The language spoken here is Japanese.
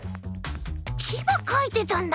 きばかいてたんだ。